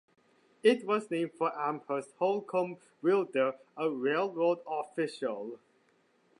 It was named for Amherst Holcomb Wilder, a railroad official.